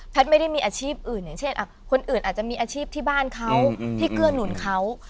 ไม่ได้มีอาชีพอื่นอย่างเช่นคนอื่นอาจจะมีอาชีพที่บ้านเขาที่เกื้อหนุนเขา